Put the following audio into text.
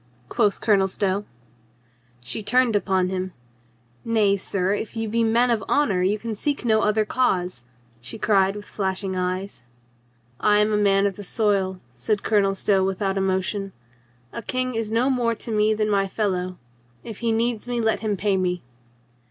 quoth Colonel Stow. She turned upon him. "Nay, sir, if you be men of honor you can seek no other cause," she cried with flashing eyes. "I am a man of the soil," said Colonel Stow with out emotion. "A king is no more to me than my fel low. If he needs me, let him pay me."